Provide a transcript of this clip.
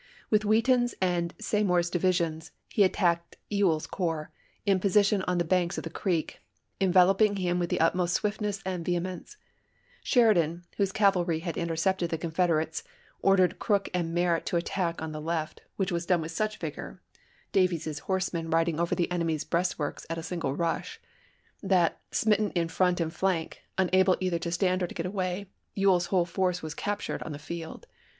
With Wheaton's and Seymour's divisions he attacked Ewell's corps, in position on the banks of the creek, enveloping him with the utmost swiftness and vehemence ; Sheri dan, whose cavalry had intercepted the Confeder ates, ordered Crook and Merritt to attack on the left, which was done with such vigor — Davies's horsemen riding over the enemy's breastworks at a single rush — that, smitten in front and flank, unable either to stand or to get away, Ewell's whole force was captured on the field.